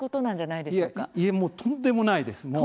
いえ、もうとんでもないです、もう。